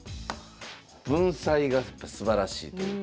文才がすばらしいということで。